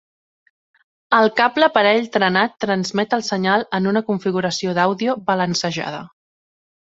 El cable parell trenat transmet el senyal en una configuració d'àudio balancejada.